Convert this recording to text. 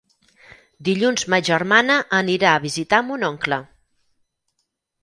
Dilluns ma germana anirà a visitar mon oncle.